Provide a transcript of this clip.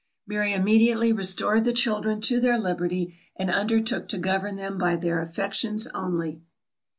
Mary immediately restored the children to their liberty, and undertook to govern them by their affections only.